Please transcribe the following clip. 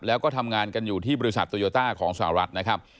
แล้วก็ทำงานกันอยู่ที่บริษัทโตโยต้าของสหรัฐนะครับ